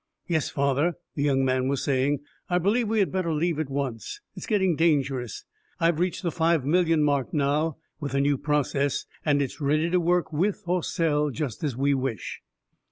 "Yes, father," the young man was saying. "I believe we had better leave, at once. It's getting dangerous. I've reached the five million mark now, with the new process, and it is ready to work with or sell, just as we wish."